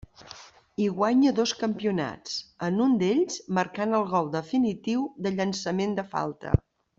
Hi guanya dos campionats, en un d'ells marcant el gol definitiu de llançament de falta.